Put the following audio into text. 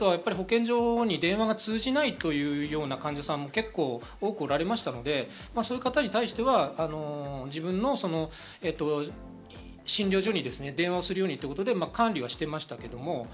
保健所に電話が通じないというような患者さんも結構多くおられましたので、そういう方に対しては、自分の診療所に電話をするようにということで管理していました。